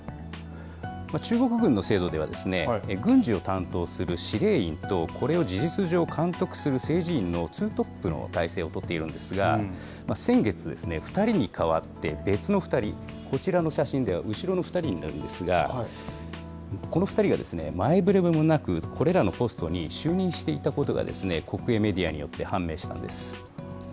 中国軍の制度では、軍事を担当する司令員と、これを事実上、監督する政治委員の２トップの体制を取っているんですが、先月、２人に代わって別の２人、こちらの写真では、後ろの２人になるんですが、この２人が前触れもなくこれらのポストに就任していたことが、国営メディアによって判明したんです。